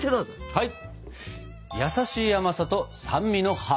はい！